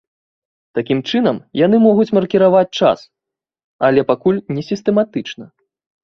Такім чынам, яны могуць маркіраваць час, але пакуль не сістэматычна.